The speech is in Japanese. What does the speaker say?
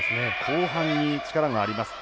後半に力があります。